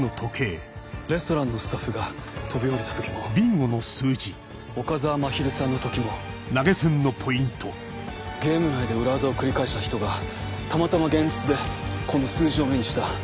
レストランのスタッフが飛び降りた時も岡澤まひるさんの時もゲーム内で裏技を繰り返した人がたまたま現実でこの数字を目にした。